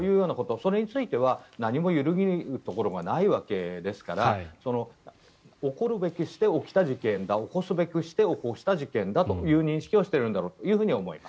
それについては何も揺るぐところがないわけですから起こるべくして起きた事件だ起こすべくして起こした事件という認識をしているんだと思います。